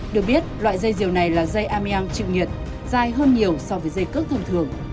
được biết loại dây diều này là dây ameang chịu nhiệt dài hơn nhiều so với dây cước thông thường